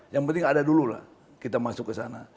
yang penting ada dulu lah kita masuk ke sana